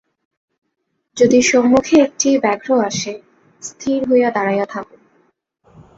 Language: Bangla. যদি সম্মুখে একটি ব্যাঘ্র আসে, স্থির হইয়া দাঁড়াইয়া থাকুন।